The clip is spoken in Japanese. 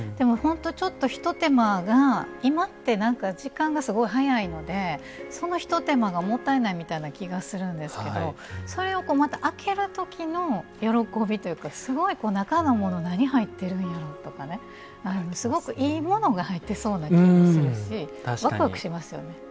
本当にちょっと、ひと手間が今って、時間がすごく早いのでそのひと手間がもったいないみたいな気がするんですけどそれを、開けるときの喜びというかすごい中のもの何が入ってるんやろ？とかすごくいいものが入ってそうな気がするしわくわくしますよね。